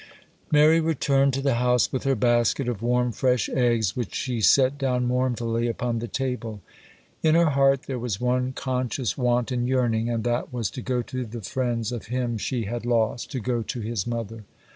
MARY returned to the house with her basket of warm, fresh eggs, which she set down mournfully upon the table. In her heart there was one conscious want and yearning, and that was to go to the friends of him she had lost—to go to his mother.